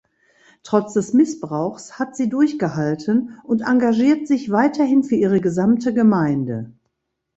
Trotz des Missbrauchs hat sie durchgehalten und engagiert sich weiterhin für ihre gesamte Gemeinde.